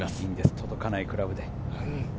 届かないクラブで。